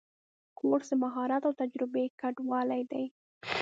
کورس د مهارت او تجربه ګډوالی دی.